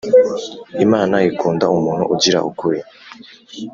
Imana ikunda umuntu ugira ukuri